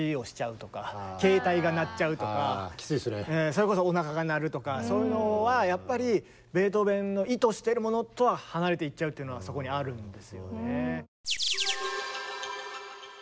それこそおなかが鳴るとかそういうのはやっぱりベートーベンの意図してるものとは離れていっちゃうっていうのはそこにあるんですよね。